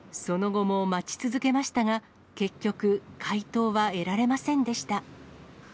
その後も待ち続けましたが、結局、回答は得られませんでした。